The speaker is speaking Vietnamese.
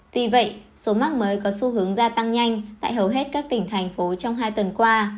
tuy vậy số mắc mới có xu hướng gia tăng nhanh tại hầu hết các tỉnh thành phố trong hai tuần qua